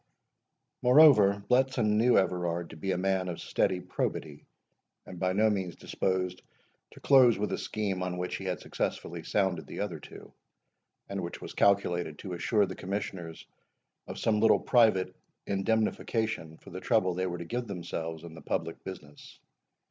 Moreover, Bletson knew Everard to be a man of steady probity, and by no means disposed to close with a scheme on which he had successfully sounded the other two, and which was calculated to assure the Commissioners of some little private indemnification for the trouble they were to give themselves in the public business.